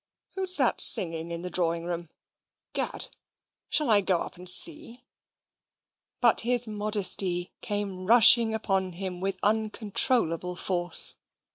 Who's that singing in the drawing room? 'Gad! shall I go up and see?" But his modesty came rushing upon him with uncontrollable force.